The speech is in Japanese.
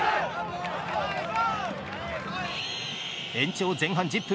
延長、前半１０分。